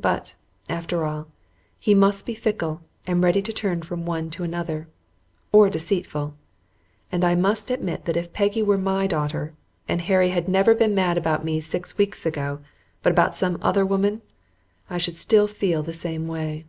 But, after all, he must be fickle and ready to turn from one to another, or deceitful, and I must admit that if Peggy were my daughter, and Harry had never been mad about me six weeks ago, but about some other woman, I should still feel the same way.